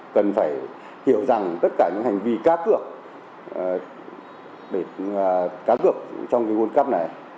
cần phải hiểu rằng tất cả những hành vi cá cược trong nguồn cấp này